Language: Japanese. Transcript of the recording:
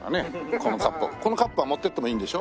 このカップは持っていってもいいんでしょ？